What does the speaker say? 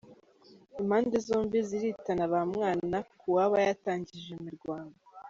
Impande zombi ziritana ba mwana kuwaba yatangije iyo mirwano.